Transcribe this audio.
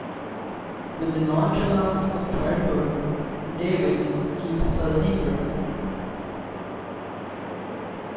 With the nonchalance of childhood, David keeps her secret.